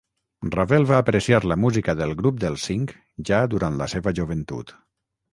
Ravel va apreciar la música del Grup dels Cinc ja durant la seva joventut.